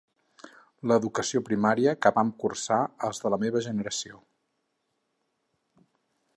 L'educació primària que vam cursar els de la meva generació.